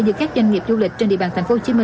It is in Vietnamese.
giữa các doanh nghiệp du lịch trên địa bàn tp hcm